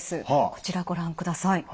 こちらご覧ください。